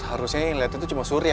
harusnya yang liat itu cuma sur ya